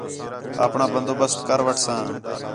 اپݨاں بندو بست کر وٹھساں